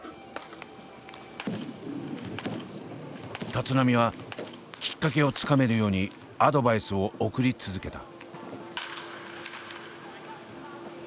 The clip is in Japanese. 立浪はきっかけをつかめるようにアドバイスを送り続けた。